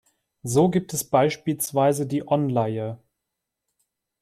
So gibt es beispielsweise die Onleihe.